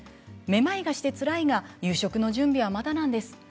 めまいがして、つらいが夕食の準備はまだなんです。